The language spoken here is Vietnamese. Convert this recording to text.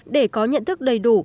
để có nhận thức đầy đủ